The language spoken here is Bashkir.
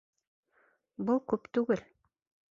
Был күп түгел.